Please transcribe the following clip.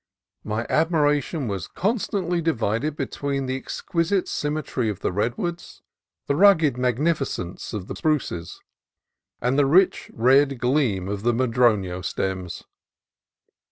My admiration was constantly divided between the exquisite symmetry of the redwoods, the rugged magnificence of the spruces, and the rich red gleam of the madrono stems.